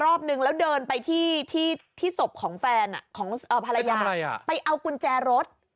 รอบนึงแล้วเดินไปที่ศพของแฟนของภรรยาไปเอากุญแจรถ